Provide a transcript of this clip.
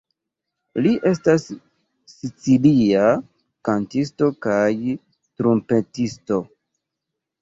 Li estas sicilia kantisto kaj trumpetisto.